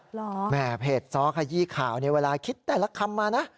เหรอแหม่เพจซ้อขยี้ข่าวเนี่ยเวลาคิดแต่ละคำมานะ